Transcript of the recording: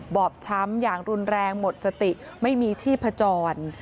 บอบช้ำอย่างรุนแรงหมดสติไม่มีชีพจร